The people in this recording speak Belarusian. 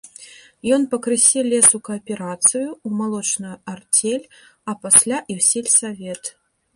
Ён пакрысе лез у кааперацыю, у малочную арцель, а пасля і ў сельсавет.